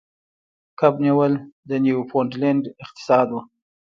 کب نیول د نیوفونډلینډ اقتصاد و.